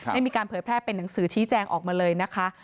ได้มีการเผยแพร่เป็นหนังสือชี้แจงออกมาเลยนะคะ